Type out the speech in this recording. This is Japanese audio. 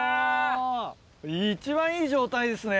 一番いい状態ですね。